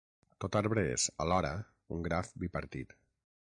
Tot arbre és, alhora, un graf bipartit.